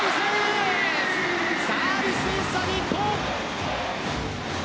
サービスエースだ日本。